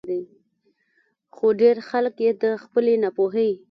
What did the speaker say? خو ډېر خلک ئې د خپلې نا پوهۍ